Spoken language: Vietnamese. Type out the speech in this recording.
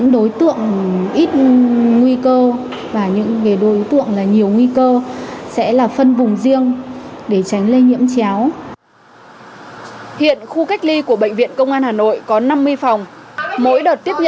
đối với những bệnh nhân và người nhà